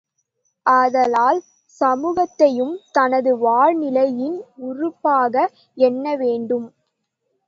ஆதலால் சமூகத்தையும் தனது வாழ்நிலையின் உறுப்பாக எண்ணவேண்டும்.